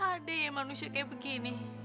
adik manusia kayak begini